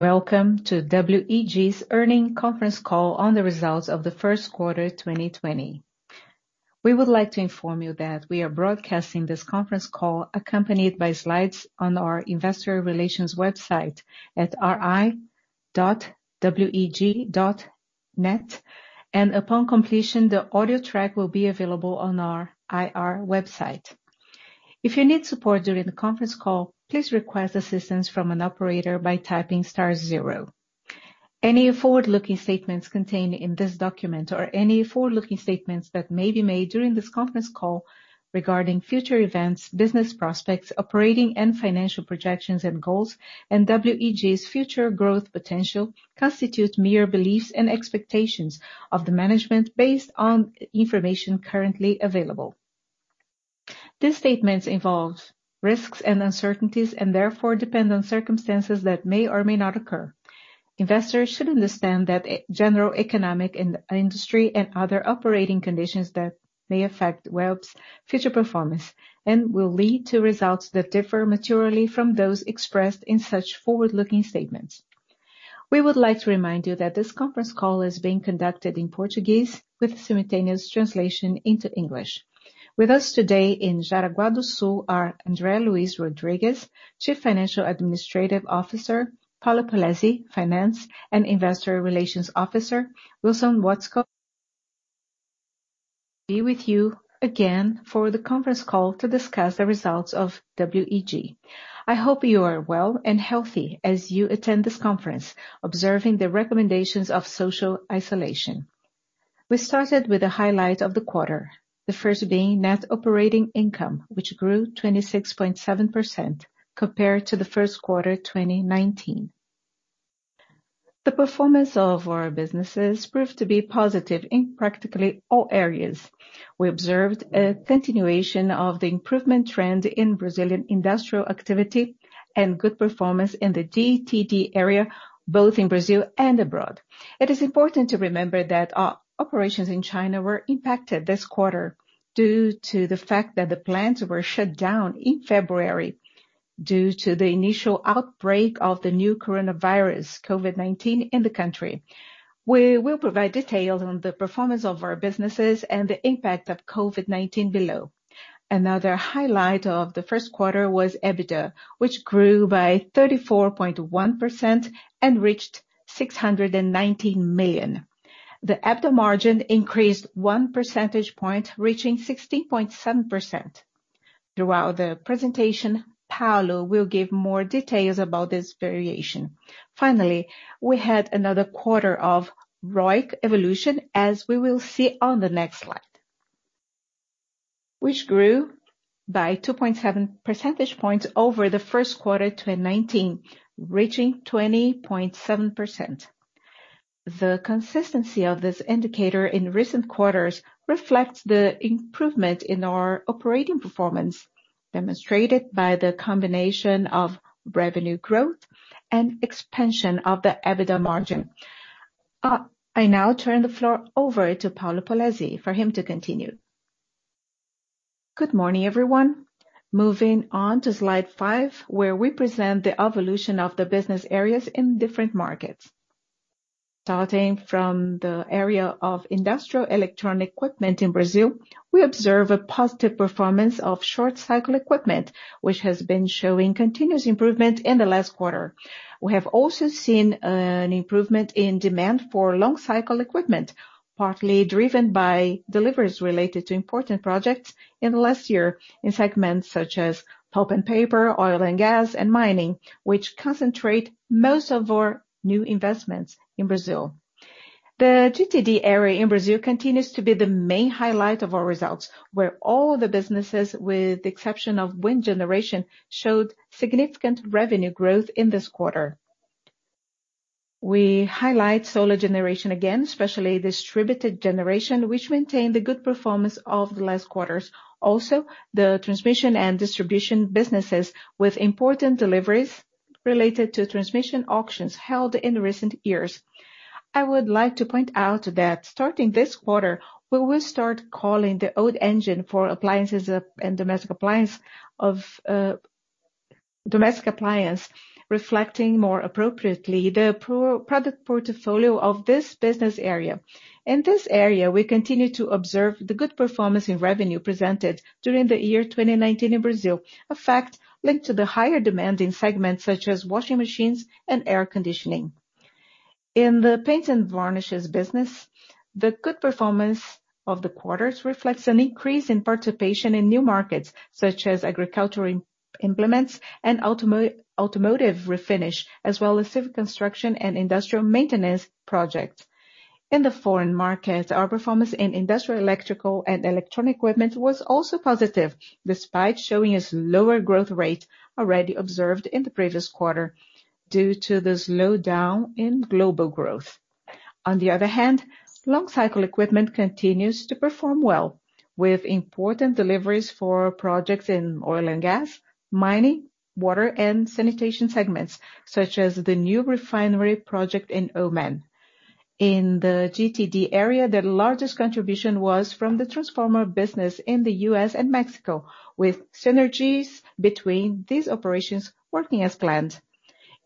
Welcome to WEG's earnings conference call on the results of the first quarter 2020. We would like to inform you that we are broadcasting this conference call accompanied by slides on our investor relations website at ri.weg.net, and upon completion, the audio track will be available on our IR website. If you need support during the conference call, please request assistance from an operator by typing star zero. Any forward-looking statements contained in this document or any forward-looking statements that may be made during this conference call regarding future events, business prospects, operating and financial projections and goals, and WEG's future growth potential, constitute mere beliefs and expectations of the management based on information currently available. These statements involve risks and uncertainties and therefore depend on circumstances that may or may not occur. Investors should understand that general economic and industry and other operating conditions that may affect WEG's future performance and will lead to results that differ materially from those expressed in such forward-looking statements. We would like to remind you that this conference call is being conducted in Portuguese with simultaneous translation into English. With us today in Jaraguá do Sul are André Luís Rodrigues, Chief Financial Administrative Officer, Paulo Polezi, Finance and Investor Relations Officer, Wilson Watzko be with you again for the conference call to discuss the results of WEG. I hope you are well and healthy as you attend this conference, observing the recommendations of social isolation. We started with a highlight of the quarter, the first being net operating income, which grew 26.7% compared to the first quarter 2019. The performance of our businesses proved to be positive in practically all areas. We observed a continuation of the improvement trend in Brazilian industrial activity and good performance in the T&D area, both in Brazil and abroad. It is important to remember that our operations in China were impacted this quarter due to the fact that the plants were shut down in February due to the initial outbreak of the new coronavirus, COVID-19, in the country. We will provide details on the performance of our businesses and the impact of COVID-19 below. Another highlight of the first quarter was EBITDA, which grew by 34.1% and reached 619 million. The EBITDA margin increased one percentage point, reaching 16.7%. Throughout the presentation, Paulo will give more details about this variation. Finally, we had another quarter of ROIC evolution, as we will see on the next slide, which grew by 2.7 percentage points over the first quarter 2019, reaching 20.7%. The consistency of this indicator in recent quarters reflects the improvement in our operating performance, demonstrated by the combination of revenue growth and expansion of the EBITDA margin. I now turn the floor over to Paulo Polezi for him to continue. Good morning, everyone. Moving on to slide five, where we present the evolution of the business areas in different markets. Starting from the area of industrial electronic equipment in Brazil, we observe a positive performance of short-cycle equipment, which has been showing continuous improvement in the last quarter. We have also seen an improvement in demand for long-cycle equipment, partly driven by deliveries related to important projects in the last year in segments such as pulp and paper, oil and gas, and mining, which concentrate most of our new investments in Brazil. The T&D area in Brazil continues to be the main highlight of our results, where all the businesses, with the exception of wind generation, showed significant revenue growth in this quarter. We highlight solar generation again, especially distributed generation, which maintained the good performance of the last quarters. The Transmission and Distribution businesses with important deliveries related to transmission auctions held in recent years. I would like to point out that starting this quarter, we will start calling the old engine for appliances and domestic appliance, reflecting more appropriately the product portfolio of this business area. In this area, we continue to observe the good performance in revenue presented during the year 2019 in Brazil, a fact linked to the higher demand in segments such as washing machines and air conditioning. In the paints and varnishes business, the good performance of the quarters reflects an increase in participation in new markets such as agricultural implements and automotive refinish, as well as civil construction and industrial maintenance projects. In the foreign market, our performance in industrial, electrical, and electronic equipment was also positive, despite showing a slower growth rate already observed in the previous quarter due to the slowdown in global growth. On the other hand, long-cycle equipment continues to perform well with important deliveries for projects in oil and gas, mining, water, and sanitation segments, such as the new refinery project in Oman. In the GTD area, the largest contribution was from the transformer business in the U.S. and Mexico, with synergies between these operations working as planned.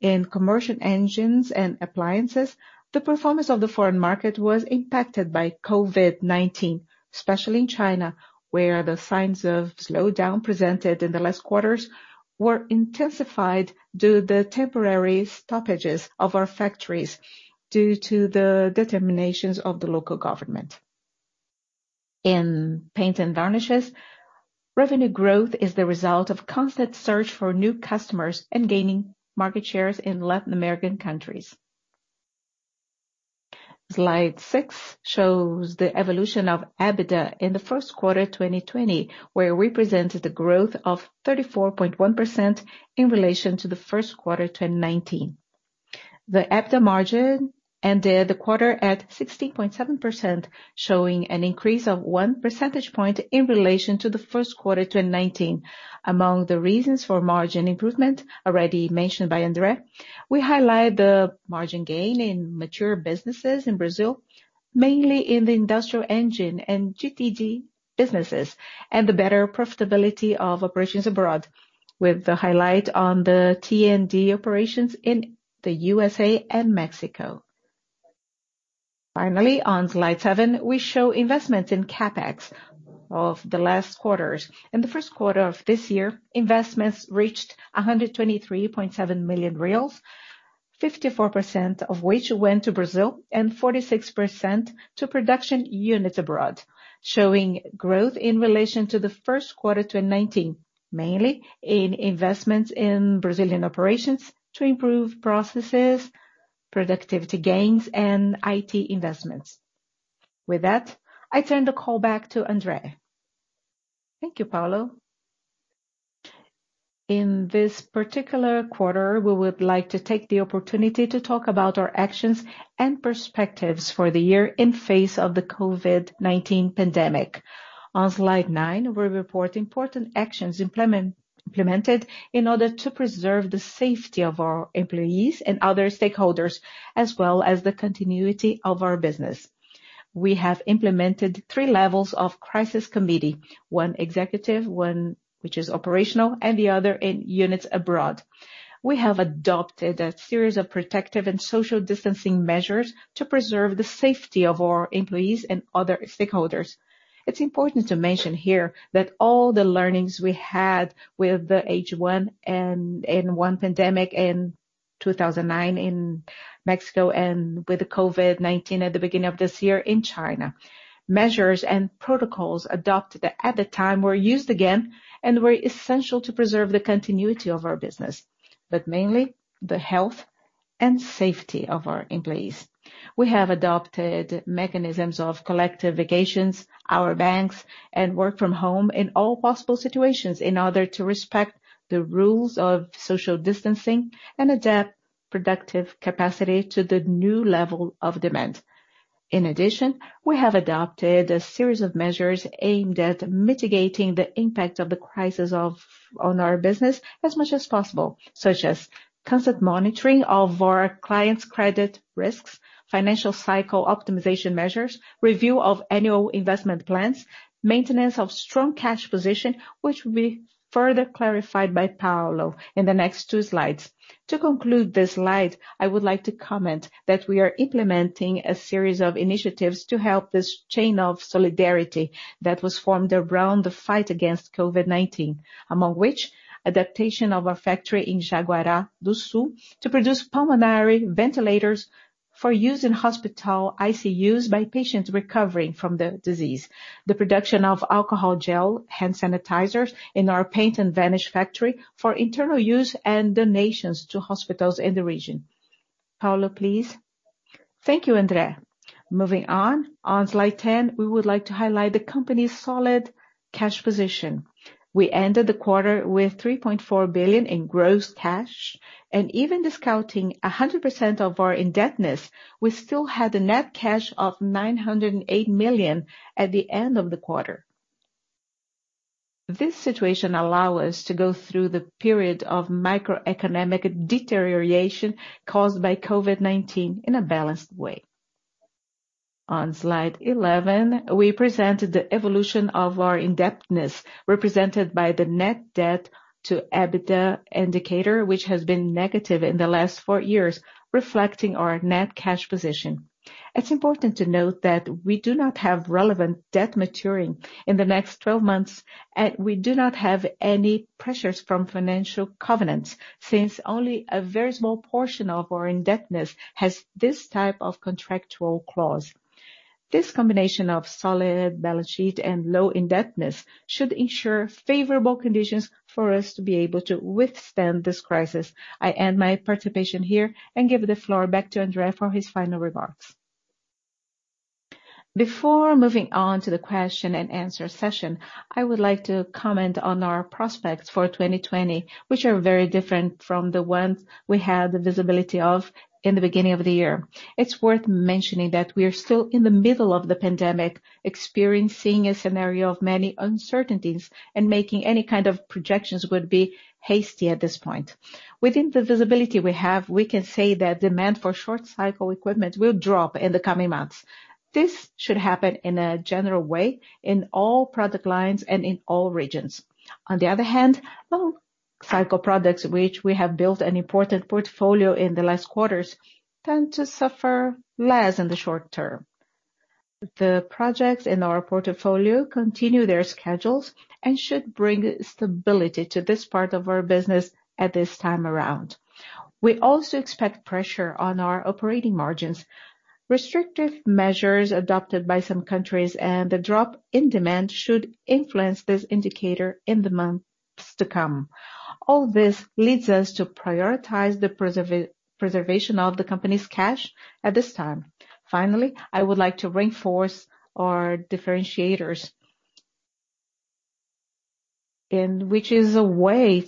In commercial engines and appliances, the performance of the foreign market was impacted by COVID-19, especially in China, where the signs of slowdown presented in the last quarters were intensified due to the temporary stoppages of our factories, due to the determinations of the local government. In paint and varnishes, revenue growth is the result of constant search for new customers and gaining market shares in Latin American countries. Slide six shows the evolution of EBITDA in Q1 2020, where we presented the growth of 34.1% in relation to Q1 2019. The EBITDA margin ended the quarter at 16.7%, showing an increase of one percentage point in relation to Q1 2019. Among the reasons for margin improvement, already mentioned by André, we highlight the margin gain in mature businesses in Brazil, mainly in the industrial engine and GTD businesses, and the better profitability of operations abroad. With the highlight on the T&D operations in the U.S.A. and Mexico. On slide seven, we show investment in CapEx of the last quarters. In the first quarter of this year, investments reached 123.7 million reais, 54% of which went to Brazil and 46% to production units abroad, showing growth in relation to the first quarter 2019, mainly in investments in Brazilian operations to improve processes, productivity gains, and IT investments. With that, I turn the call back to André. Thank you, Paulo. In this particular quarter, we would like to take the opportunity to talk about our actions and perspectives for the year in face of the COVID-19 pandemic. On slide nine, we report important actions implemented in order to preserve the safety of our employees and other stakeholders, as well as the continuity of our business. We have implemented three levels of crisis committee, one executive, one which is operational, and the other in units abroad. We have adopted a series of protective and social distancing measures to preserve the safety of our employees and other stakeholders. It's important to mention here that all the learnings we had with the H1N1 pandemic in 2009 in Mexico, and with the COVID-19 at the beginning of this year in China. Measures and protocols adopted at the time were used again and were essential to preserve the continuity of our business, but mainly the health and safety of our employees. We have adopted mechanisms of collective vacations, hour banks, and work from home in all possible situations in order to respect the rules of social distancing and adapt productive capacity to the new level of demand. In addition, we have adopted a series of measures aimed at mitigating the impact of the crisis on our business as much as possible, such as constant monitoring of our clients' credit risks, financial cycle optimization measures, review of annual investment plans, maintenance of strong cash position, which will be further clarified by Paulo in the next two slides. To conclude this slide, I would like to comment that we are implementing a series of initiatives to help this chain of solidarity that was formed around the fight against COVID-19. Among which, adaptation of a factory in Jaraguá do Sul to produce pulmonary ventilators for use in hospital ICUs by patients recovering from the disease. The production of alcohol gel hand sanitizers in our paint and varnish factory for internal use and donations to hospitals in the region. Paulo, please. Thank you, André. Moving on. On slide 10, we would like to highlight the company's solid cash position. We ended the quarter with 3.4 billion in gross cash and even discounting 100% of our indebtedness, we still had a net cash of 908 million at the end of the quarter. This situation allow us to go through the period of macroeconomic deterioration caused by COVID-19 in a balanced way. On slide 11, we presented the evolution of our indebtedness, represented by the net debt to EBITDA indicator, which has been negative in the last four years, reflecting our net cash position. It's important to note that we do not have relevant debt maturing in the next 12 months, and we do not have any pressures from financial covenants, since only a very small portion of our indebtedness has this type of contractual clause. This combination of solid balance sheet and low indebtedness should ensure favorable conditions for us to be able to withstand this crisis. I end my participation here and give the floor back to André for his final remarks. Before moving on to the question and answer session, I would like to comment on our prospects for 2020, which are very different from the ones we had the visibility of in the beginning of the year. It's worth mentioning that we are still in the middle of the pandemic, experiencing a scenario of many uncertainties and making any kind of projections would be hasty at this point. Within the visibility we have, we can say that demand for short cycle equipment will drop in the coming months. This should happen in a general way in all product lines and in all regions. On the other hand, long cycle products, which we have built an important portfolio in the last quarters, tend to suffer less in the short term. The projects in our portfolio continue their schedules and should bring stability to this part of our business at this time around. We also expect pressure on our operating margins. Restrictive measures adopted by some countries and the drop in demand should influence this indicator in the months to come. All this leads us to prioritize the preservation of the company's cash at this time. Finally, I would like to reinforce our differentiators, and which is a way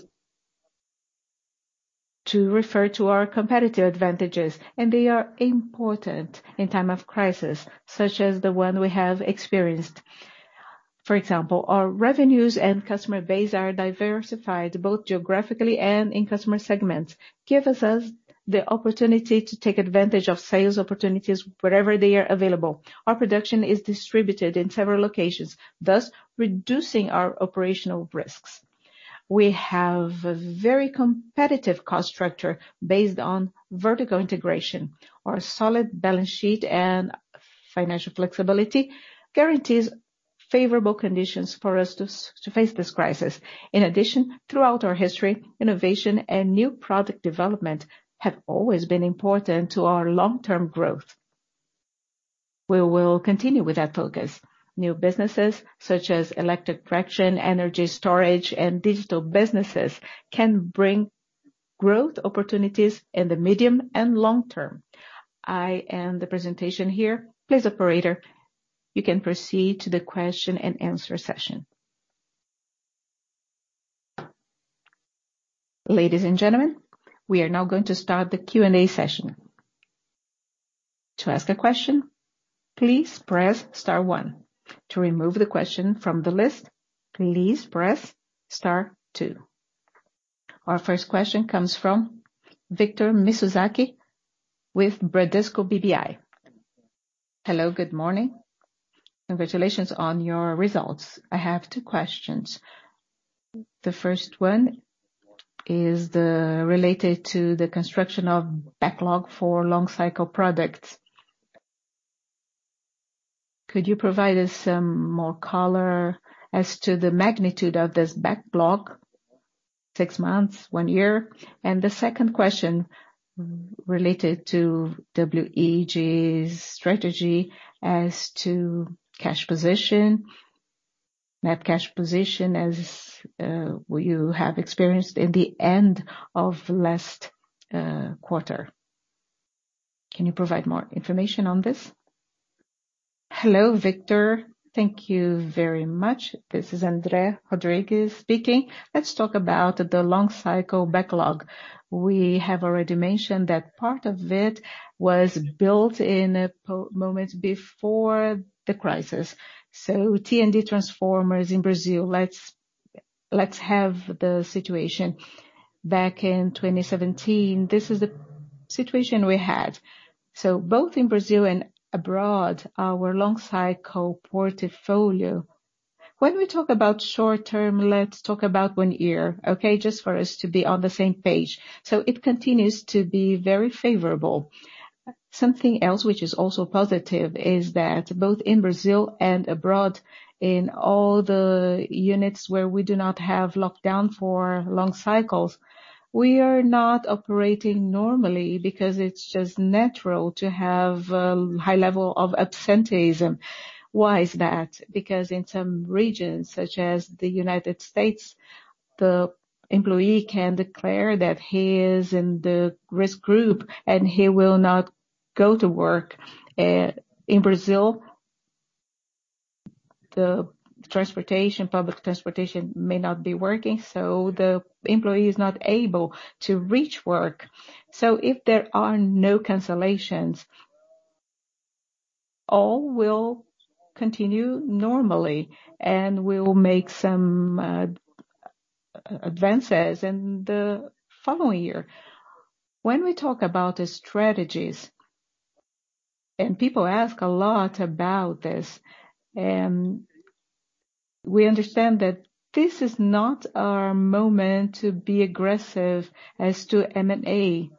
to refer to our competitive advantages, and they are important in time of crisis, such as the one we have experienced. For example, our revenues and customer base are diversified both geographically and in customer segments, gives us the opportunity to take advantage of sales opportunities wherever they are available. Our production is distributed in several locations, thus reducing our operational risks. We have a very competitive cost structure based on vertical integration. Our solid balance sheet and financial flexibility guarantees favorable conditions for us to face this crisis. In addition, throughout our history, innovation and new product development have always been important to our long-term growth. We will continue with that focus. New businesses such as electric traction, energy storage, and digital businesses can bring growth opportunities in the medium and long term. I end the presentation here. Please, operator, you can proceed to the question and answer session. Ladies and gentlemen, we are now going to start the Q&A session. To ask a question, please press star one. To remove the question from the list, please press star two. Our first question comes from Victor Mizusaki with Bradesco BBI. Hello, good morning. Congratulations on your results. I have two questions. The first one is related to the construction of backlog for long cycle products. Could you provide us some more color as to the magnitude of this backlog? Six months, one year? The second question related to WEG's strategy as to cash position, net cash position, as you have experienced in the end of last quarter. Can you provide more information on this? Hello, Victor. Thank you very much. This is André Rodrigues speaking. Let's talk about the long cycle backlog. We have already mentioned that part of it was built in a moment before the crisis. T&D Transformers in Brazil. Let's have the situation back in 2017. This is the situation we had. Both in Brazil and abroad, our long cycle portfolio. When we talk about short term, let's talk about one year, okay? Just for us to be on the same page. It continues to be very favorable. Something else which is also positive is that both in Brazil and abroad, in all the units where we do not have lockdown for long cycles, we are not operating normally because it's just natural to have a high level of absenteeism. Why is that? In some regions, such as the U.S., the employee can declare that he is in the risk group and he will not go to work. In Brazil, the public transportation may not be working, the employee is not able to reach work. If there are no cancellations, all will continue normally, and we'll make some advances in the following year. When we talk about the strategies, and people ask a lot about this, we understand that this is not our moment to be aggressive as to M&A.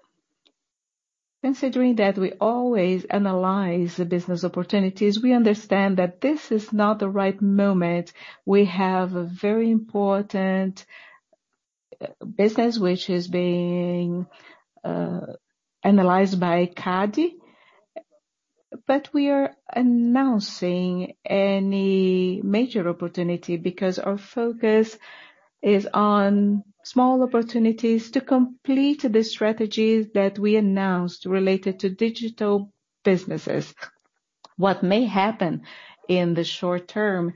Considering that we always analyze the business opportunities, we understand that this is not the right moment. We have a very important business which is being analyzed by CADE. We are announcing any major opportunity, our focus is on small opportunities to complete the strategies that we announced related to digital businesses. What may happen in the short term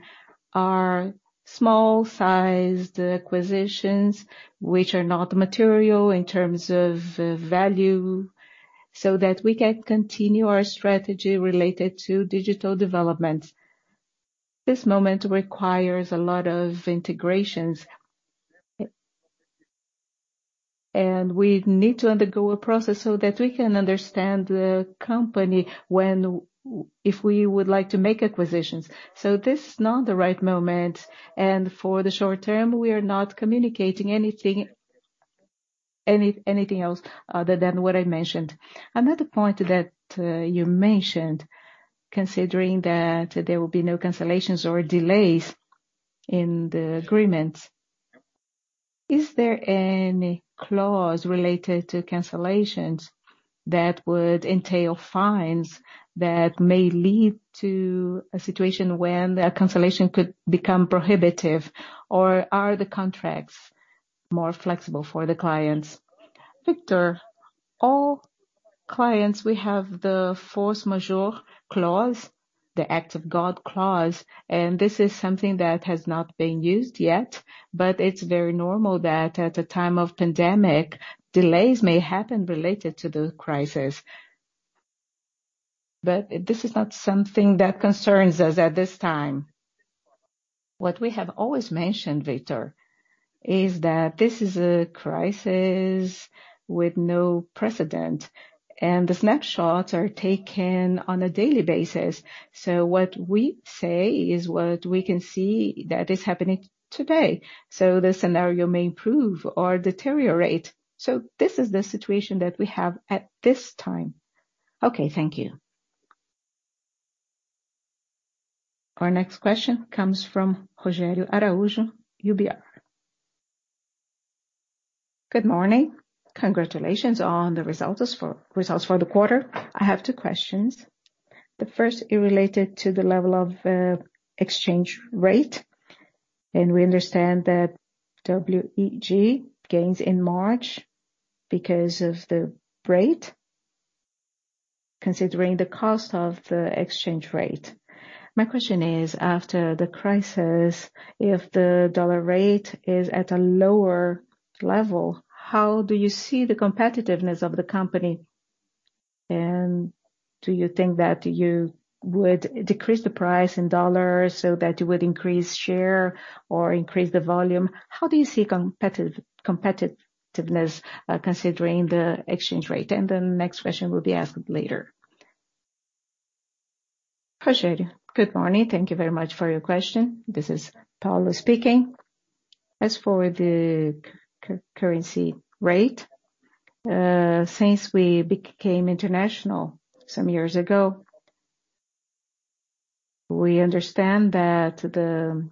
are small-sized acquisitions which are not material in terms of value, so that we can continue our strategy related to digital development. This moment requires a lot of integrations. We need to undergo a process so that we can understand the company if we would like to make acquisitions. This is not the right moment. For the short term, we are not communicating anything else other than what I mentioned. Another point that you mentioned, considering that there will be no cancellations or delays in the agreements, is there any clause related to cancellations that would entail fines that may lead to a situation when the cancellation could become prohibitive? Are the contracts more flexible for the clients? Victor, all clients, we have the force majeure clause, the act of God clause. This is something that has not been used yet, it's very normal that at the time of pandemic, delays may happen related to the crisis. This is not something that concerns us at this time. What we have always mentioned, Victor, is that this is a crisis with no precedent. The snapshots are taken on a daily basis. What we say is what we can see that is happening today. The scenario may improve or deteriorate. This is the situation that we have at this time. Okay. Thank you. Our next question comes from Rogério Araújo, UBS. Good morning. Congratulations on the results for the quarter. I have two questions. The first is related to the level of exchange rate, and we understand that WEG gains in March because of the rate, considering the cost of the exchange rate. My question is, after the crisis, if the dollar rate is at a lower level, how do you see the competitiveness of the company? Do you think that you would decrease the price in dollars so that you would increase share or increase the volume? How do you see competitiveness considering the exchange rate? The next question will be asked later. Rogério, good morning. Thank you very much for your question. This is Paulo speaking. As for the currency rate, since we became international some years ago, we understand that the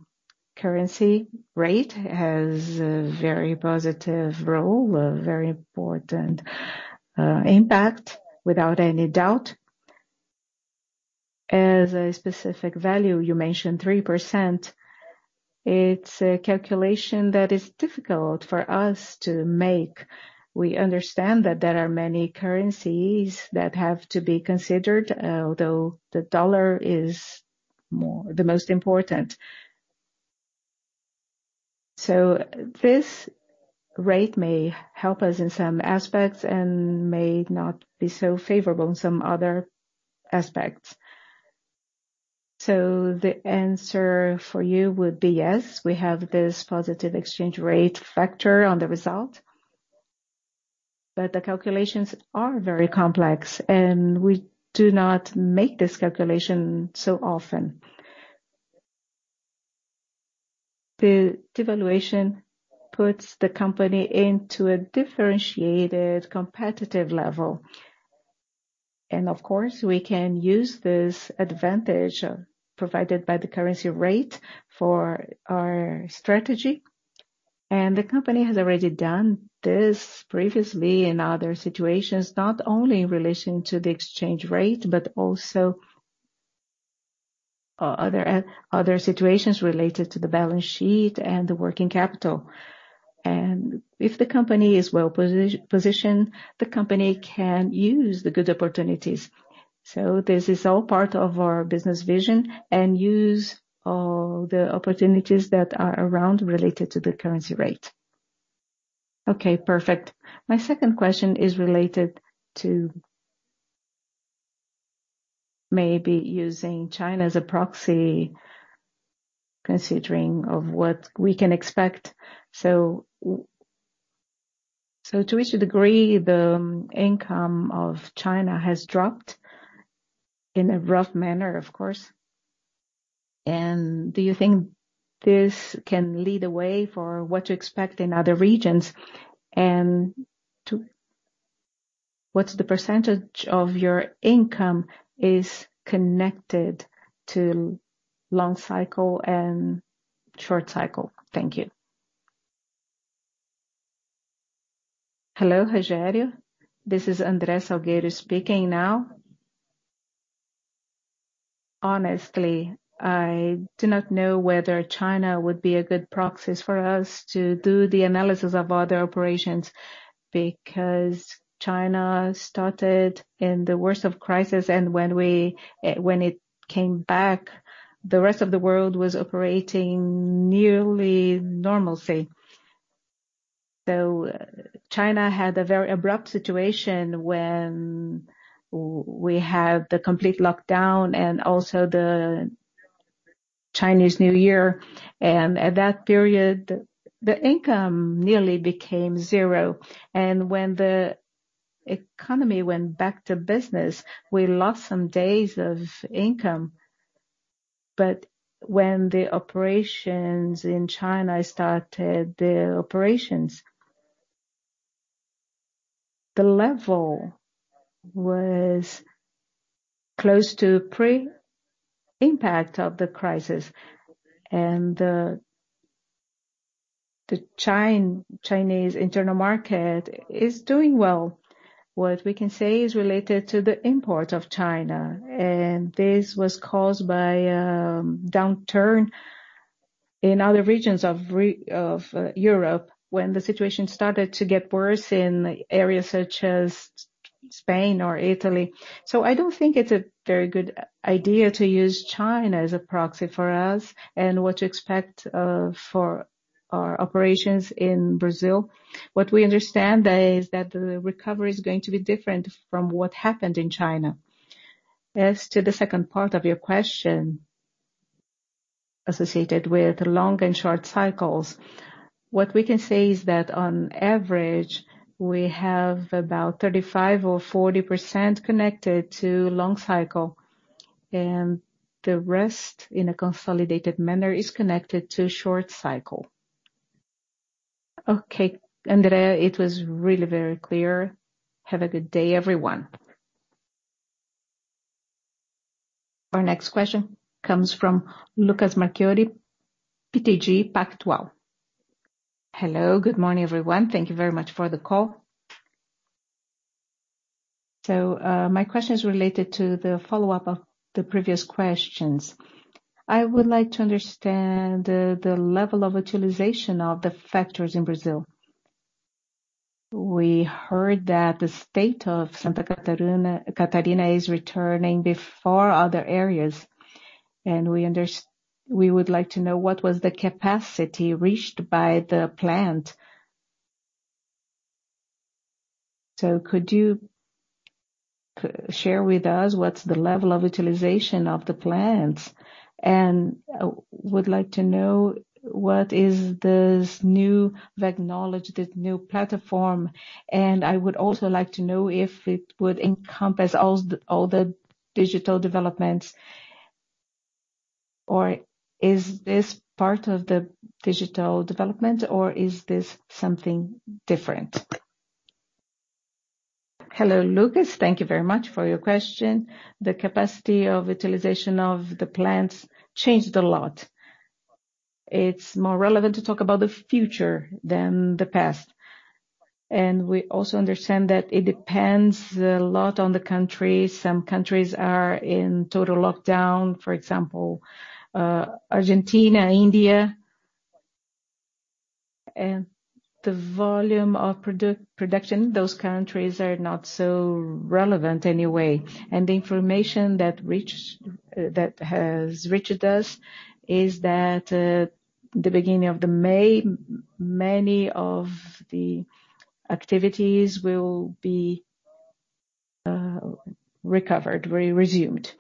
currency rate has a very positive role, a very important impact, without any doubt. As a specific value, you mentioned 3%. It's a calculation that is difficult for us to make. We understand that there are many currencies that have to be considered, although the dollar is the most important. This rate may help us in some aspects and may not be so favorable in some other aspects. The answer for you would be yes, we have this positive exchange rate factor on the result. The calculations are very complex, and we do not make this calculation so often. The devaluation puts the company into a differentiated competitive level. Of course, we can use this advantage provided by the currency rate for our strategy. The company has already done this previously in other situations, not only in relation to the exchange rate, but also other situations related to the balance sheet and the working capital. If the company is well-positioned, the company can use the good opportunities. This is all part of our business vision and use all the opportunities that are around related to the currency rate. Okay, perfect. My second question is related to maybe using China as a proxy, considering of what we can expect. To which degree the income of China has dropped in a rough manner, of course. Do you think this can lead a way for what to expect in other regions? What's the percentage of your income is connected to long cycle and short cycle? Thank you. Hello, Rogério. This is André Salgueiro speaking now. Honestly, I do not know whether China would be a good proxies for us to do the analysis of other operations, because China started in the worst of crisis, and when it came back, the rest of the world was operating nearly normalcy. China had a very abrupt situation when we had the complete lockdown and also the Chinese New Year. At that period, the income nearly became zero. When the economy went back to business, we lost some days of income. When the operations in China started the operations, the level was close to pre-impact of the crisis. The Chinese internal market is doing well. What we can say is related to the import of China, and this was caused by a downturn in other regions of Europe when the situation started to get worse in areas such as Spain or Italy. I don't think it's a very good idea to use China as a proxy for us and what to expect for our operations in Brazil. What we understand is that the recovery is going to be different from what happened in China. As to the second part of your question, associated with long and short cycles, what we can say is that on average, we have about 35% or 40% connected to long cycle, and the rest, in a consolidated manner, is connected to short cycle. Okay, André. It was really very clear. Have a good day, everyone. Our next question comes from Lucas Marquiori, BTG Pactual. Hello. Good morning, everyone. Thank you very much for the call. My question is related to the follow-up of the previous questions. I would like to understand the level of utilization of the factories in Brazil. We heard that the state of Santa Catarina is returning before other areas. We would like to know what was the capacity reached by the plant? Could you share with us what's the level of utilization of the plants? Would like to know what is this new WEG Knowledge, this new platform. I would also like to know if it would encompass all the digital developments, or is this part of the digital development, or is this something different? Hello, Lucas. Thank you very much for your question. The capacity of utilization of the plants changed a lot. It's more relevant to talk about the future than the past. We also understand that it depends a lot on the country. Some countries are in total lockdown, for example, Argentina, India. The volume of production in those countries are not so relevant anyway. The information that has reached us is that the beginning of May, many of the activities will be recovered, will be resumed.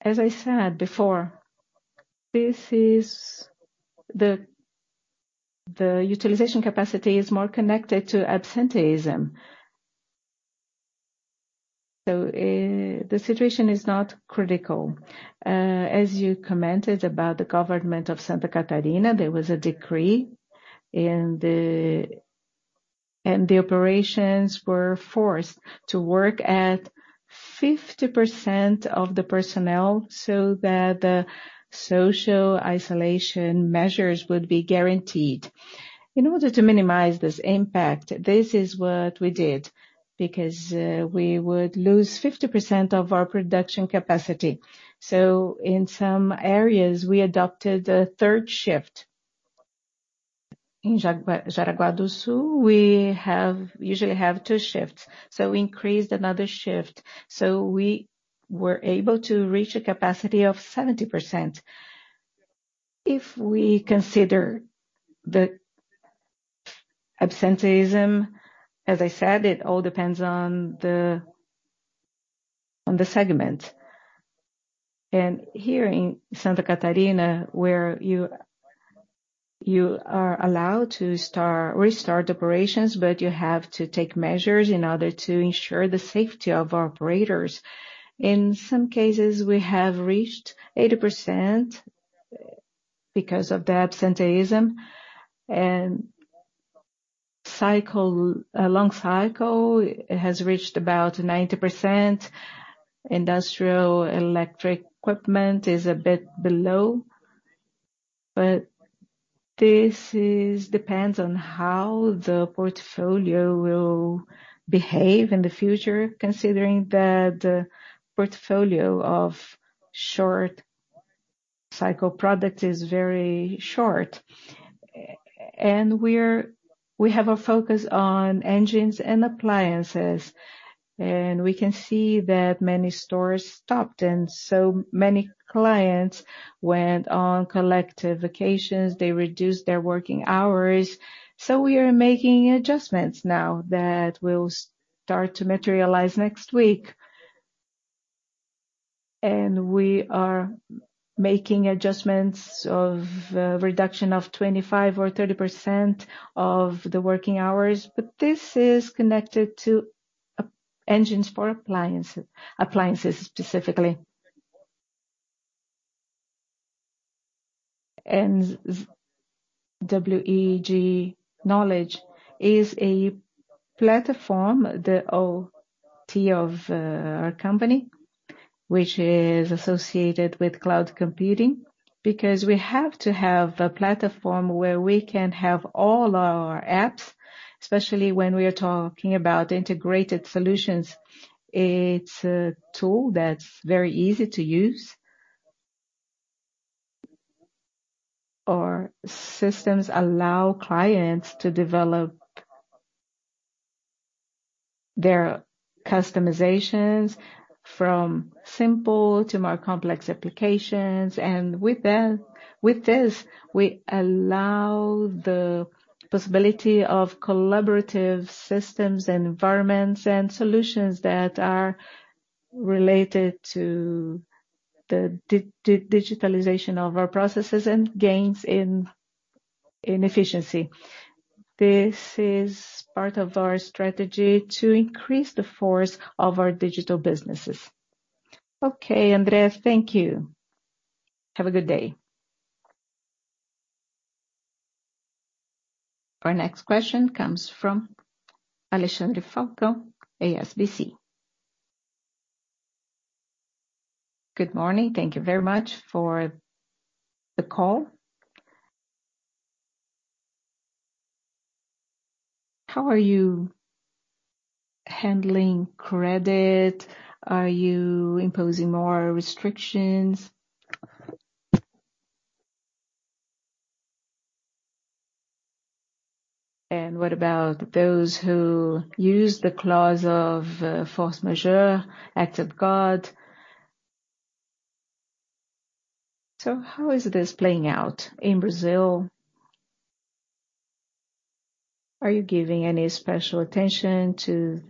As I said before, the utilization capacity is more connected to absenteeism. The situation is not critical. As you commented about the government of Santa Catarina, there was a decree, and the operations were forced to work at 50% of the personnel so that the social isolation measures would be guaranteed. In order to minimize this impact, this is what we did, because we would lose 50% of our production capacity. In some areas, we adopted a third shift. In Jaraguá do Sul, we usually have two shifts. We increased another shift. We were able to reach a capacity of 70%. If we consider the absenteeism, as I said, it all depends on the segment. Here in Santa Catarina, where you are allowed to restart operations, but you have to take measures in order to ensure the safety of our operators. In some cases, we have reached 80% because of the absenteeism. A long cycle has reached about 90%. Industrial electric equipment is a bit below, but this depends on how the portfolio will behave in the future, considering that the portfolio of short cycle product is very short. We have a focus on engines and appliances. We can see that many stores stopped and so many clients went on collective vacations, they reduced their working hours. We are making adjustments now that will start to materialize next week. We are making adjustments of reduction of 25% or 30% of the working hours. This is connected to engines for appliances, specifically. WEG Knowledge is a platform, the IoT of our company, which is associated with cloud computing, because we have to have a platform where we can have all our apps, especially when we are talking about integrated solutions. It's a tool that's very easy to use. Our systems allow clients to develop their customizations from simple to more complex applications. With this, we allow the possibility of collaborative systems and environments and solutions that are related to the digitalization of our processes and gains in efficiency. This is part of our strategy to increase the force of our digital businesses. Okay, André, thank you. Have a good day. Our next question comes from Alexandre Falcão, HSBC. Good morning. Thank you very much for the call. How are you handling credit? Are you imposing more restrictions? What about those who use the clause of force majeure, act of God? How is this playing out in Brazil? Are you giving any special attention to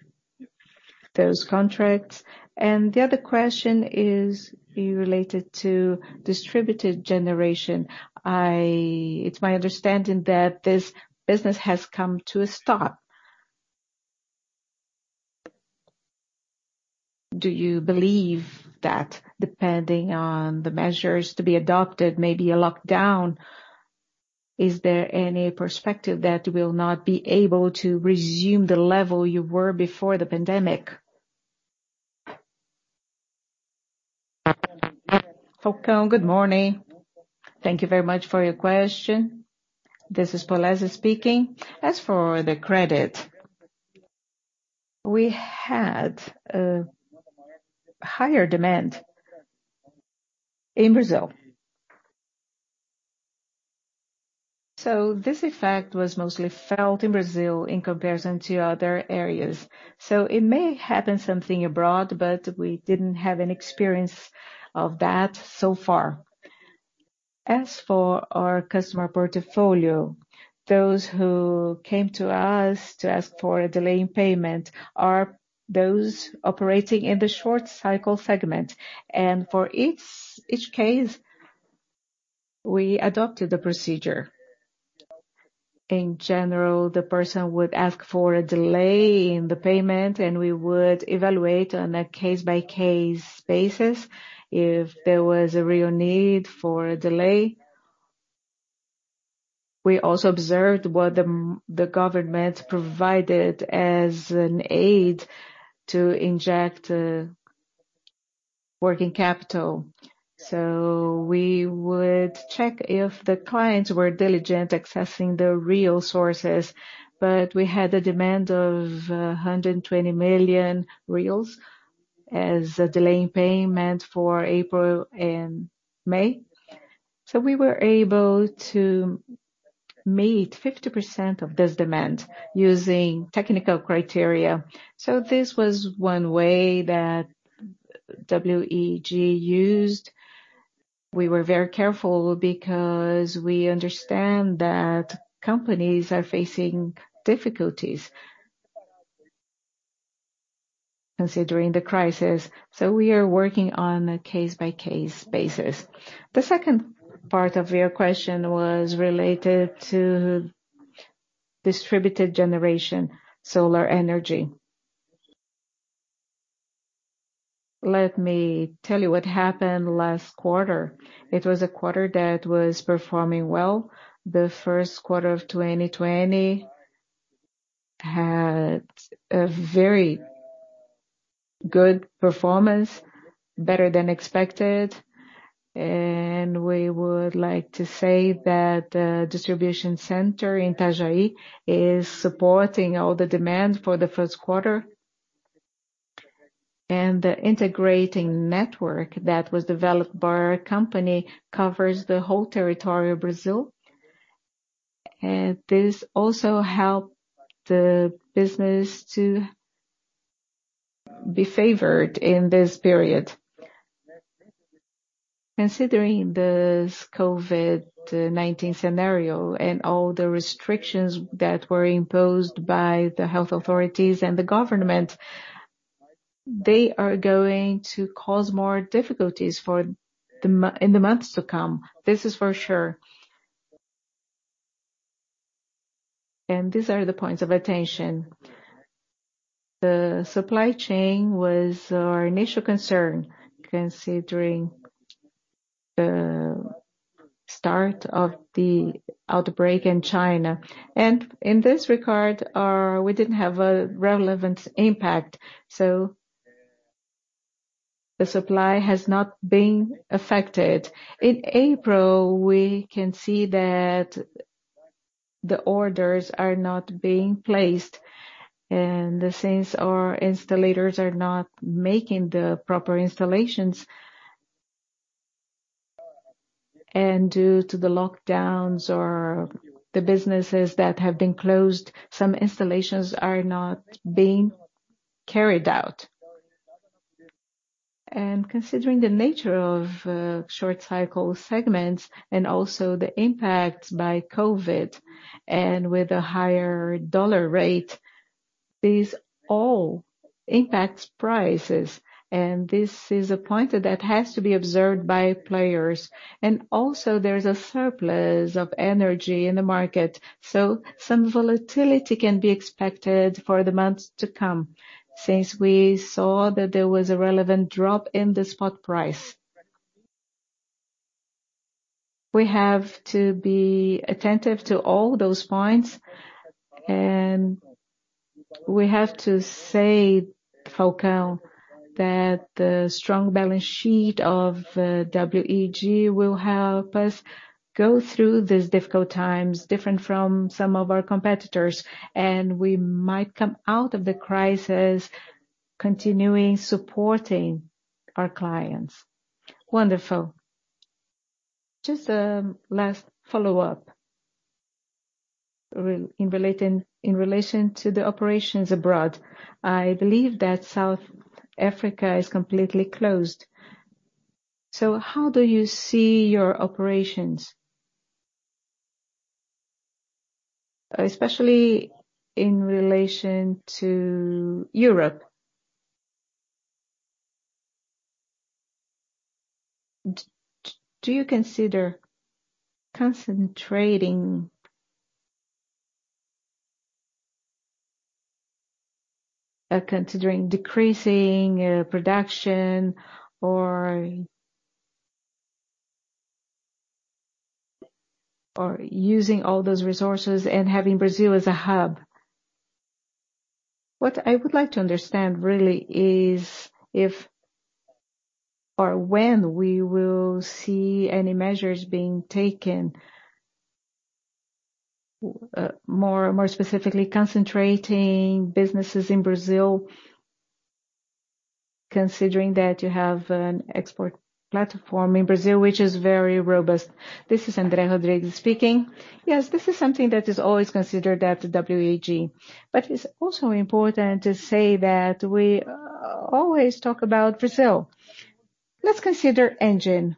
those contracts? The other question is related to distributed generation. It's my understanding that this business has come to a stop. Do you believe that depending on the measures to be adopted, maybe a lockdown, is there any perspective that you will not be able to resume the level you were before the pandemic? Falcão, good morning. Thank you very much for your question. This is Paulo Polezi speaking. As for the credit, we had a higher demand in Brazil. This effect was mostly felt in Brazil in comparison to other areas. It may happen something abroad, but we didn't have an experience of that so far. As for our customer portfolio, those who came to us to ask for a delay in payment are those operating in the short cycle segment. For each case, we adopted the procedure. In general, the person would ask for a delay in the payment, and we would evaluate on a case-by-case basis if there was a real need for a delay. We also observed what the government provided as an aid to inject working capital. We would check if the clients were diligent accessing the real sources. We had a demand of 120 million as a delay in payment for April and May. We were able to meet 50% of this demand using technical criteria. This was one way that WEG used. We were very careful because we understand that companies are facing difficulties considering the crisis. We are working on a case-by-case basis. The second part of your question was related to distributed generation, solar energy. Let me tell you what happened last quarter. It was a quarter that was performing well. The first quarter of 2020 had a very good performance, better than expected. We would like to say that the distribution center in Itajaí is supporting all the demand for the first quarter. The integrating network that was developed by our company covers the whole territory of Brazil. This also helped the business to be favored in this period. Considering this COVID-19 scenario and all the restrictions that were imposed by the health authorities and the government, they are going to cause more difficulties in the months to come. This is for sure. These are the points of attention. The supply chain was our initial concern considering the start of the outbreak in China. In this regard, we didn't have a relevant impact, so the supply has not been affected. In April, we can see that the orders are not being placed, and since our installers are not making the proper installations, and due to the lockdowns or the businesses that have been closed, some installations are not being carried out. Considering the nature of short cycle segments and also the impact by COVID, and with a higher U.S. dollar rate, these all impact prices, and this is a point that has to be observed by players. Also there's a surplus of energy in the market. Some volatility can be expected for the months to come, since we saw that there was a relevant drop in the spot price. We have to be attentive to all those points, and we have to say, Falcão, that the strong balance sheet of WEG will help us go through these difficult times, different from some of our competitors, and we might come out of the crisis continuing supporting our clients. Wonderful. Just a last follow-up in relation to the operations abroad. I believe that South Africa is completely closed. How do you see your operations, especially in relation to Europe? Do you consider considering decreasing production or using all those resources and having Brazil as a hub. What I would like to understand really is if or when we will see any measures being taken, more specifically concentrating businesses in Brazil, considering that you have an export platform in Brazil, which is very robust. This is André Rodrigues speaking. Yes, this is something that is always considered at WEG. It's also important to say that we always talk about Brazil. Let's consider engine.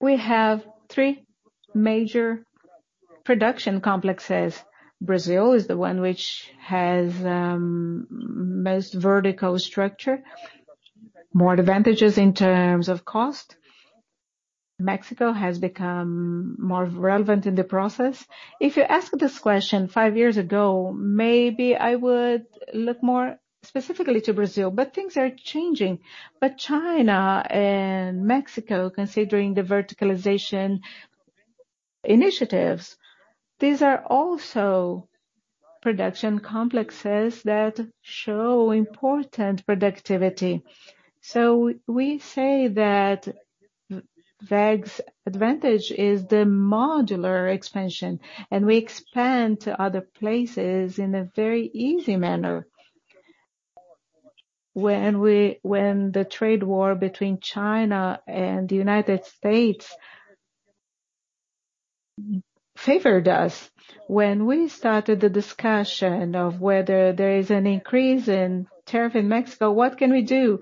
We have three major production complexes. Brazil is the one which has most vertical structure, more advantages in terms of cost. Mexico has become more relevant in the process. If you asked this question five years ago, maybe I would look more specifically to Brazil, things are changing. China and Mexico, considering the verticalization initiatives, these are also production complexes that show important productivity. We say that WEG's advantage is the modular expansion, and we expand to other places in a very easy manner. When the trade war between China and the United States favored us, when we started the discussion of whether there is an increase in tariff in Mexico, what can we do?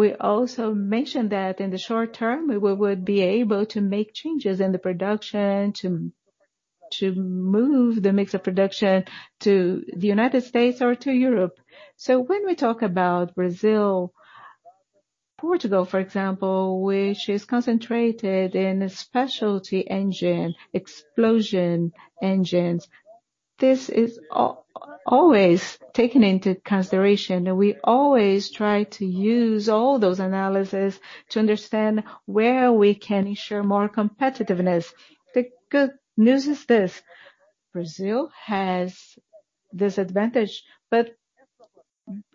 We also mentioned that in the short term, we would be able to make changes in the production to move the mix of production to the United States or to Europe. When we talk about Brazil, Portugal, for example, which is concentrated in specialty engine, explosion engines, this is always taken into consideration. We always try to use all those analysis to understand where we can ensure more competitiveness. The good news is this, Brazil has this advantage, but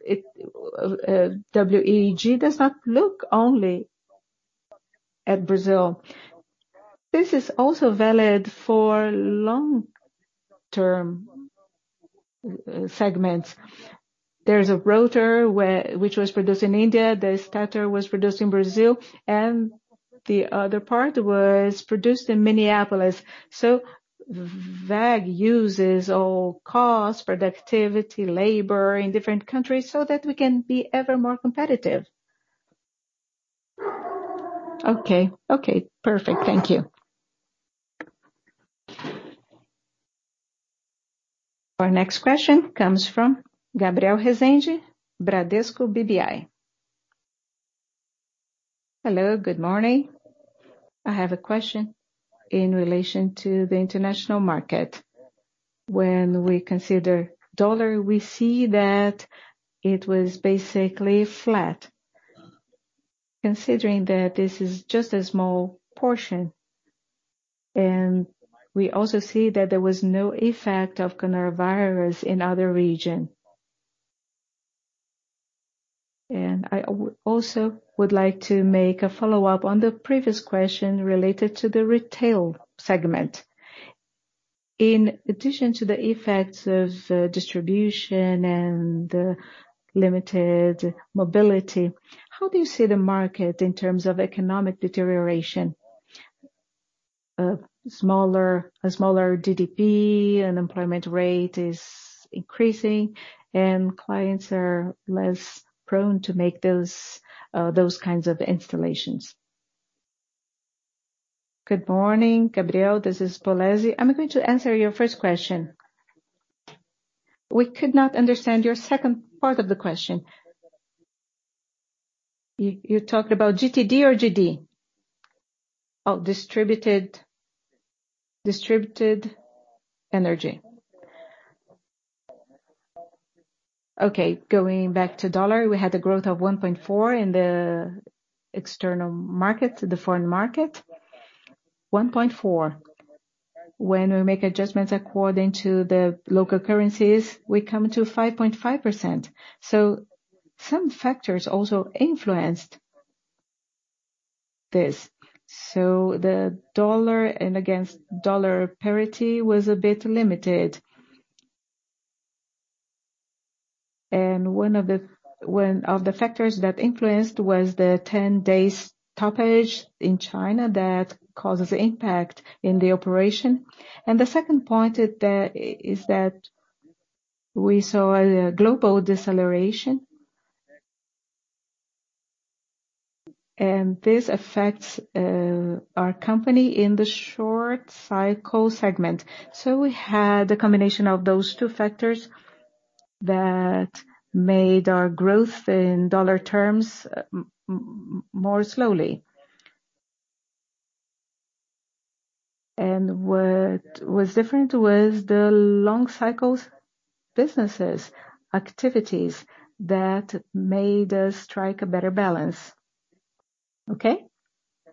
WEG does not look only at Brazil. This is also valid for long term segments. There's a rotor which was produced in India, the stator was produced in Brazil, and the other part was produced in Minneapolis. WEG uses all cost, productivity, labor in different countries so that we can be ever more competitive. Okay. Perfect. Thank you. Our next question comes from Gabriel Rezende, Bradesco BBI. Hello, good morning. I have a question in relation to the international market. When we consider dollar, we see that it was basically flat. Considering that this is just a small portion, we also see that there was no effect of coronavirus in other region. I also would like to make a follow-up on the previous question related to the retail segment. In addition to the effects of distribution and the limited mobility, how do you see the market in terms of economic deterioration? A smaller GDP, unemployment rate is increasing, and clients are less prone to make those kinds of installations. Good morning, Gabriel. This is Polezi. I'm going to answer your first question. We could not understand your second part of the question. You talked about GTD or GD? Oh, distributed energy. Okay, going back to dollar, we had a growth of 1.4% in the external market, the foreign market. 1.4%. When we make adjustments according to the local currencies, we come to 5.5%. Some factors also influenced this. The dollar and against dollar parity was a bit limited. One of the factors that influenced was the 10 days stoppage in China that causes impact in the operation. The second point is that we saw a global deceleration. This affects our company in the short cycle segment. We had a combination of those two factors that made our growth in dollar terms more slowly. What was different was the long cycles businesses activities that made us strike a better balance. Okay? Yeah.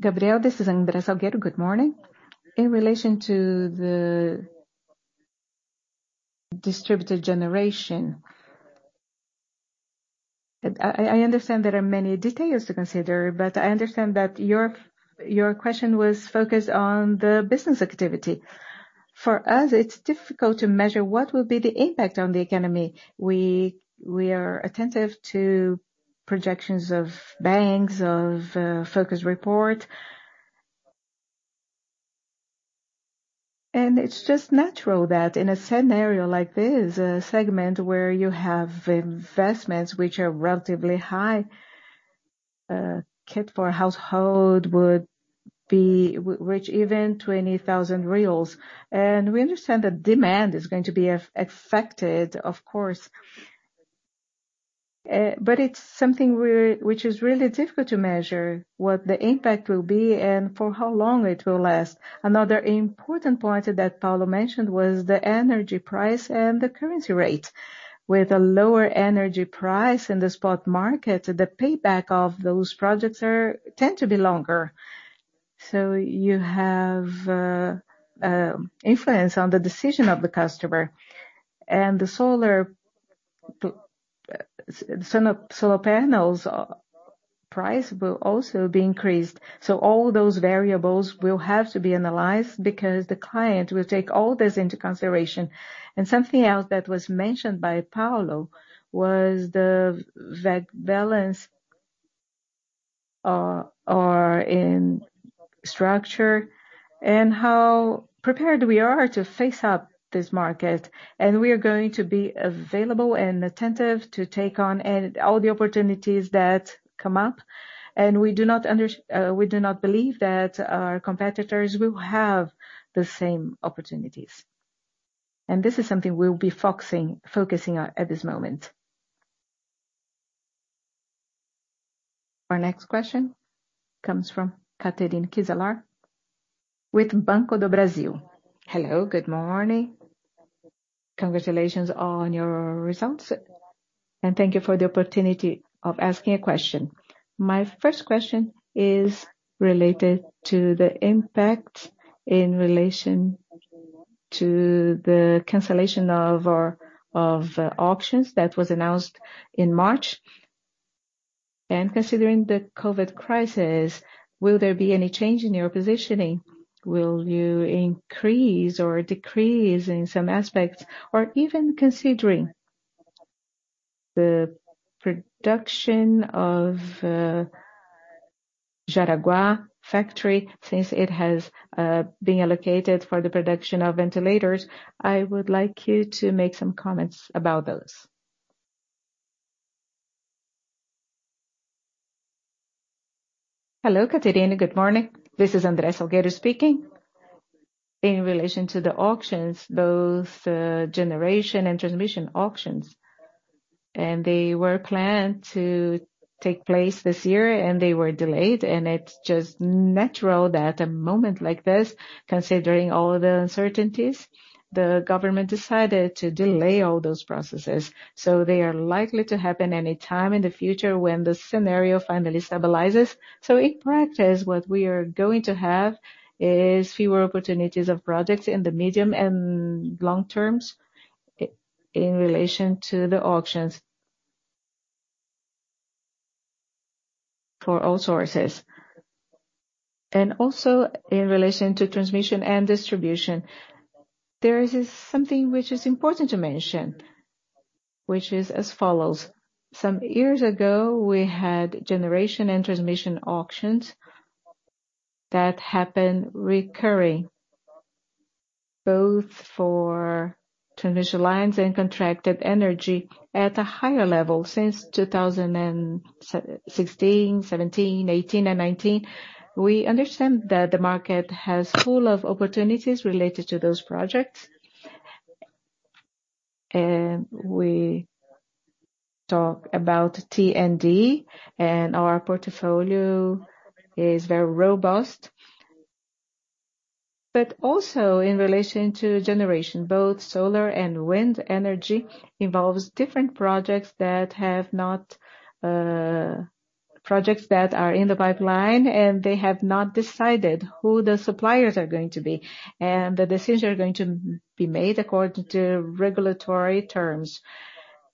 Gabriel, this is André Salgueiro. Good morning. In relation to the distributed generation, I understand there are many details to consider. I understand that your question was focused on the business activity. For us, it's difficult to measure what will be the impact on the economy. We are attentive to projections of banks, of Focus Report. It's just natural that in a scenario like this, a segment where you have investments which are relatively high, kit for a household would reach even 20,000 reais. We understand that demand is going to be affected, of course. It's something which is really difficult to measure what the impact will be and for how long it will last. Another important point that Paulo mentioned was the energy price and the currency rate. With a lower energy price in the spot market, the payback of those projects tend to be longer. You have influence on the decision of the customer. The solar panels price will also be increased. All those variables will have to be analyzed because the client will take all this into consideration. Something else that was mentioned by Paulo was the WEG balance in structure and how prepared we are to face up this market. We are going to be available and attentive to take on all the opportunities that come up. We do not believe that our competitors will have the same opportunities. This is something we'll be focusing on at this moment. Our next question comes from Catarina Koga with Banco do Brasil. Hello, good morning. Congratulations on your results and thank you for the opportunity of asking a question. My first question is related to the impact in relation to the cancellation of auctions that was announced in March. Considering the COVID crisis, will there be any change in your positioning? Will you increase or decrease in some aspects? Even considering the production of Jaraguá factory, since it has been allocated for the production of ventilators. I would like you to make some comments about those. Hello, Catarina. Good morning. This is André Salgueiro speaking. In relation to the auctions, both generation and transmission auctions. They were planned to take place this year, they were delayed, it's just natural that a moment like this, considering all the uncertainties, the government decided to delay all those processes. They are likely to happen any time in the future when the scenario finally stabilizes. In practice, what we are going to have is fewer opportunities of projects in the medium and long terms in relation to the auctions for all sources. Also in relation to transmission and distribution, there is something which is important to mention, which is as follows. Some years ago, we had generation and transmission auctions that happened recurring, both for transmission lines and contracted energy at a higher level since 2016, 2017, 2018, and 2019. We understand that the market has full of opportunities related to those projects. We talk about T&D, and our portfolio is very robust. Also in relation to generation, both solar and wind energy involves different projects that are in the pipeline, and they have not decided who the suppliers are going to be. The decisions are going to be made according to regulatory terms.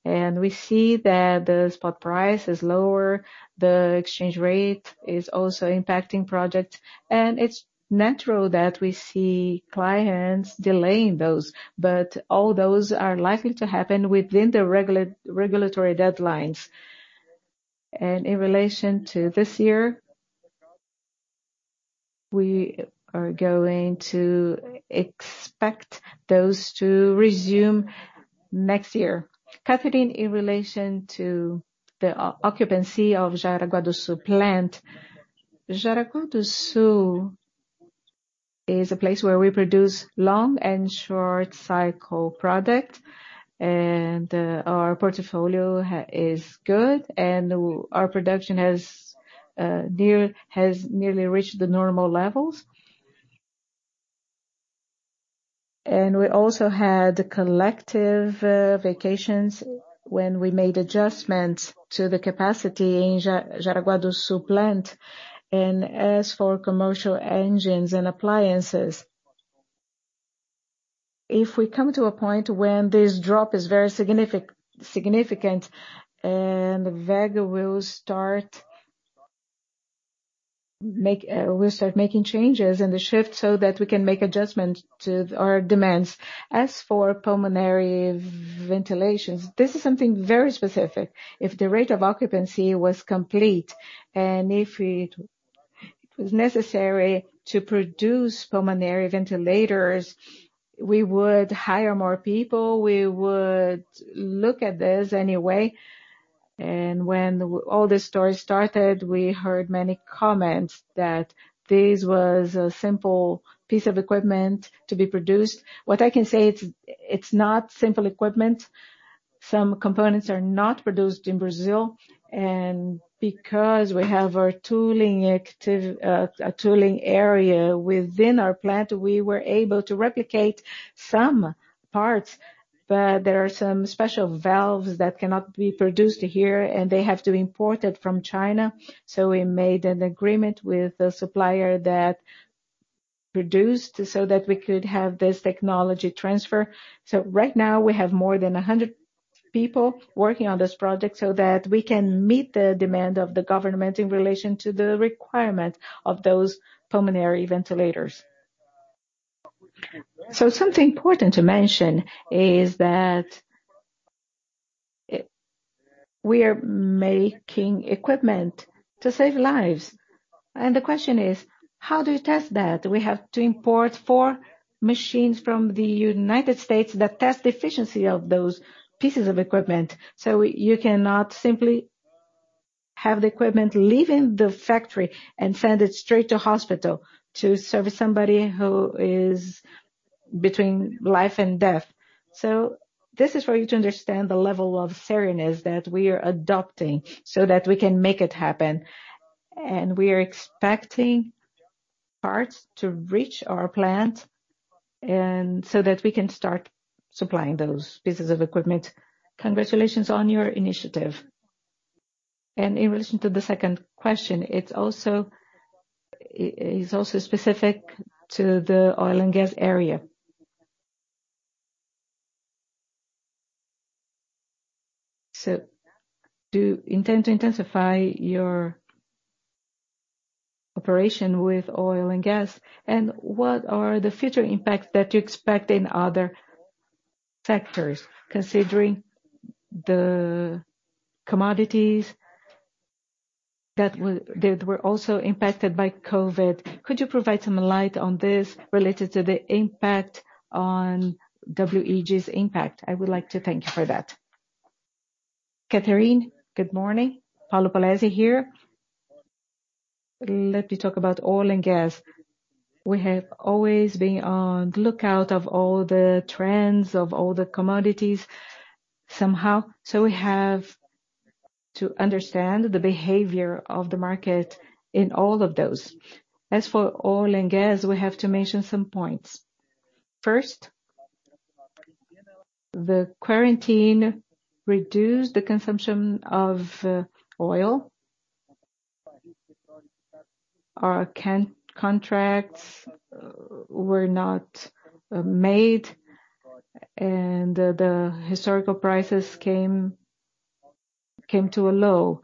We see that the spot price is lower, the exchange rate is also impacting projects, and it's natural that we see clients delaying those. All those are likely to happen within the regulatory deadlines. In relation to this year, we are going to expect those to resume next year. Catarina, in relation to the occupancy of Jaraguá do Sul plant, Jaraguá do Sul is a place where we produce long and short cycle product, and our portfolio is good, and our production has nearly reached the normal levels. We also had collective vacations when we made adjustments to the capacity in Jaraguá do Sul plant. As for commercial engines and appliances, if we come to a point when this drop is very significant, WEG will start making changes in the shift so that we can make adjustments to our demands. As for pulmonary ventilations, this is something very specific. If the rate of occupancy was complete, and if it was necessary to produce pulmonary ventilators, we would hire more people. We would look at this anyway. When all this story started, we heard many comments that this was a simple piece of equipment to be produced. What I can say, it's not simple equipment. Some components are not produced in Brazil. Because we have our tooling area within our plant, we were able to replicate some parts. There are some special valves that cannot be produced here, and they have to import it from China. We made an agreement with the supplier that produced so that we could have this technology transfer. Right now, we have more than 100 people working on this project so that we can meet the demand of the government in relation to the requirement of those pulmonary ventilators. The question is, how do you test that? We have to import four machines from the United States that test the efficiency of those pieces of equipment. You cannot simply have the equipment leaving the factory and send it straight to hospital to service somebody who is between life and death. This is for you to understand the level of seriousness that we are adopting so that we can make it happen. We are expecting parts to reach our plant so that we can start supplying those pieces of equipment. Congratulations on your initiative. In relation to the second question, it's also specific to the oil and gas area. Do you intend to intensify your operation with oil and gas. What are the future impacts that you expect in other sectors, considering the commodities that were also impacted by COVID? Could you provide some light on this related to the impact on WEG's impact? I would like to thank you for that. Catarina, good morning. Paulo Polezi here. Let me talk about oil and gas. We have always been on the lookout of all the trends, of all the commodities, somehow. We have to understand the behavior of the market in all of those. As for oil and gas, we have to mention some points. First, the quarantine reduced the consumption of oil. Our contracts were not made, and the historical prices came to a low.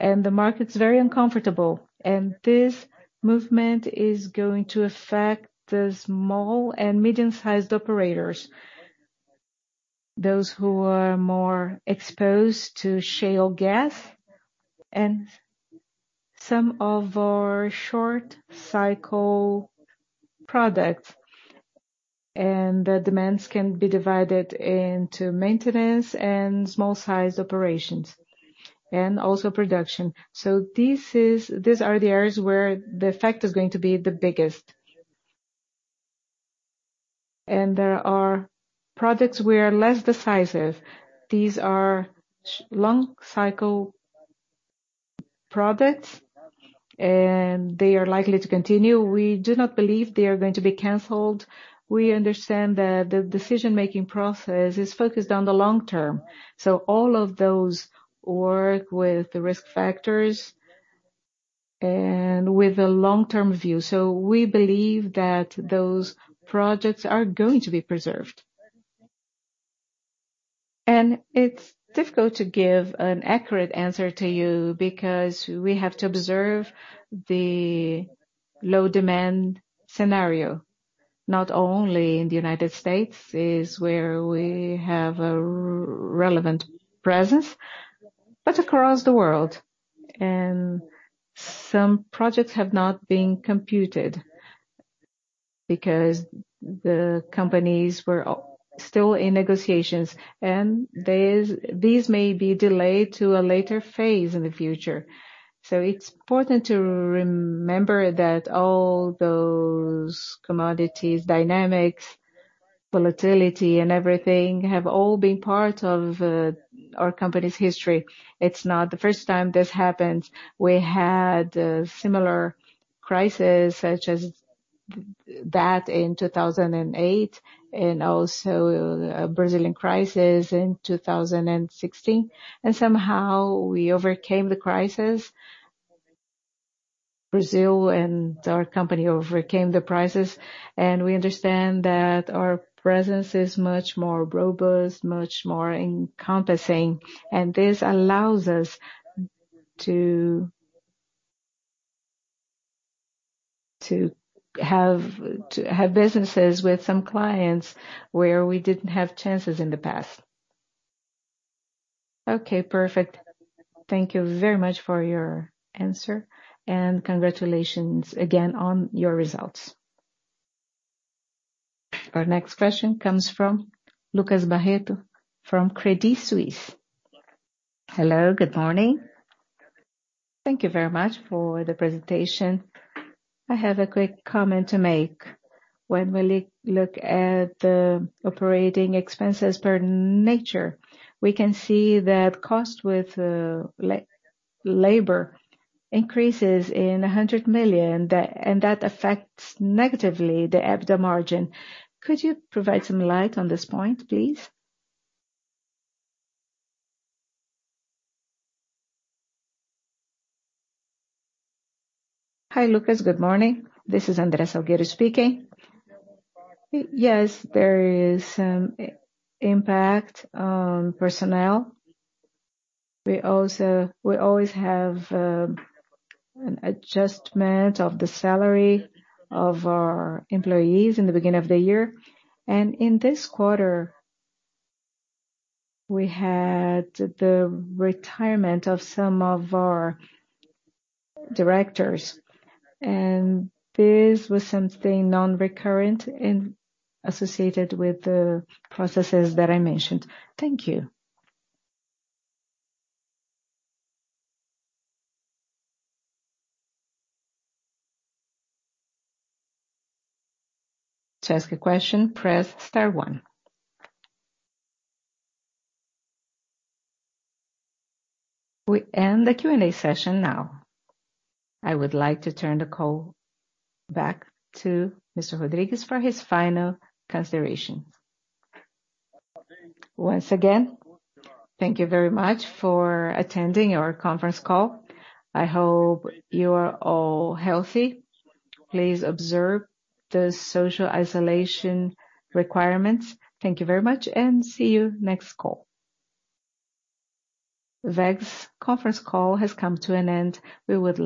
The market's very uncomfortable. This movement is going to affect the small and medium-sized operators. Those who are more exposed to shale gas and some of our short cycle products. The demands can be divided into maintenance and small-sized operations, and also production. These are the areas where the effect is going to be the biggest. There are products where less decisive. These are long cycle products, and they are likely to continue. We do not believe they are going to be canceled. We understand that the decision-making process is focused on the long term. All of those work with the risk factors and with a long-term view. We believe that those projects are going to be preserved. It's difficult to give an accurate answer to you because we have to observe the low demand scenario, not only in the U.S. is where we have a relevant presence, but across the world. Some projects have not been computed because the companies were still in negotiations. These may be delayed to a later phase in the future. It's important to remember that all those commodities, dynamics, volatility, and everything have all been part of our company's history. It's not the first time this happened. We had a similar crisis such as that in 2008, and also a Brazilian crisis in 2016. Somehow we overcame the crisis. Brazil and our company overcame the crisis. We understand that our presence is much more robust, much more encompassing, and this allows us to have businesses with some clients where we didn't have chances in the past. Okay, perfect. Thank you very much for your answer, and congratulations again on your results. Our next question comes from Lucas Barreto from Credit Suisse. Hello, good morning. Thank you very much for the presentation. I have a quick comment to make. When we look at the operating expenses per nature, we can see that cost with labor increases in 100 million, and that affects negatively the EBITDA margin. Could you provide some light on this point, please? Hi, Lucas. Good morning. This is André Salgueiro speaking. Yes, there is some impact on personnel. We always have an adjustment of the salary of our employees in the beginning of the year. In this quarter, we had the retirement of some of our directors. This was something non-recurrent and associated with the processes that I mentioned. Thank you. To ask a question, press star one. We end the Q&A session now. I would like to turn the call back to Mr. Rodrigues for his final consideration. Once again, thank you very much for attending our conference call. I hope you are all healthy. Please observe the social isolation requirements. Thank you very much, and see you next call. WEG's conference call has come to an end. We would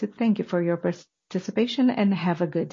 like to thank you for your participation, and have a good day.